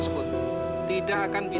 jauh dan lama lagi